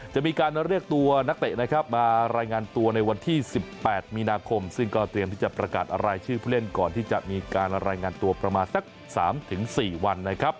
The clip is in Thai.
จะมีการเรียกตัวนักเตะนะครับมารายงานตัวในวันที่๑๘มีนาคมซึ่งก็เตรียมที่จะประกาศรายชื่อผู้เล่นก่อนที่จะมีการรายงานตัวประมาณสัก๓๔วันนะครับ